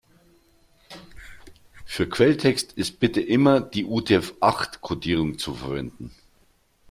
Für Quelltext ist bitte immer die UTF-acht-Kodierung zu verwenden.